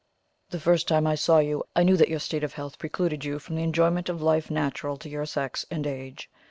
The first time I saw you I knew that your state of health precluded you from the enjoyment of life natural to your sex and age.